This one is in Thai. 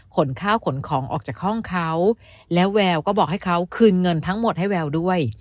ข้าวขนของออกจากห้องเขาแล้วแววก็บอกให้เขาคืนเงินทั้งหมดให้แววด้วย